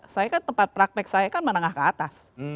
saya kan tempat praktek saya kan menengah ke atas